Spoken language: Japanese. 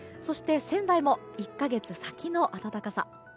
そして、仙台も１か月先の暖かさ。